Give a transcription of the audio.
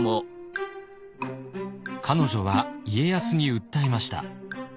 彼女は家康に訴えました。